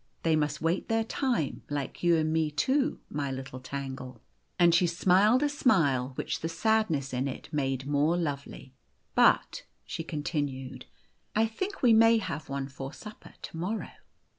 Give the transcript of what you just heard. " They must wait their time, like you and me too, my little Tangle." And she smiled a smile which the sadness in it made more lovely. " But," she continued, " I think we may have one for supper to morrow."